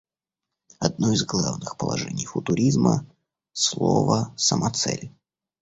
Одно из главных положений футуризма — «слово — самоцель».